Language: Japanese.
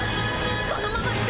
このままＺ